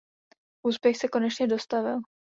Úspěch se konečně dostavil.